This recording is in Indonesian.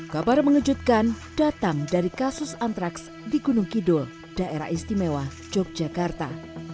kabar mengejutkan datang dari kasus antraks di gunung kidul daerah istimewa yogyakarta